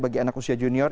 bagi anak usia junior